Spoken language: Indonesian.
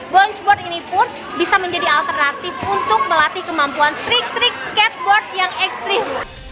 bounceboard ini pun bisa menjadi alternatif untuk melatih kemampuan trik trik skateboard yang ekstrim